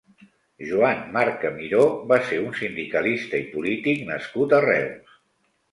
Joan Marca Miró va ser un sindicalista i polític nascut a Reus.